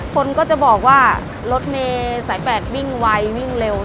คนก็จะบอกว่ารถเมย์สาย๘วิ่งไววิ่งเร็ว